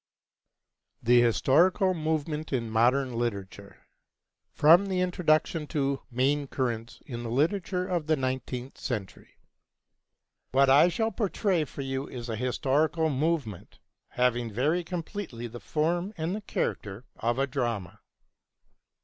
THE HISTORICAL MOVEMENT IN MODERN LITERATURE From the Introduction to 'Main Currents in the Literature of the Nineteenth Century' What I shall portray for you is a historical movement, having very completely the form and the character of a drama.